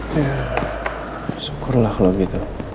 ya syukurlah lo gitu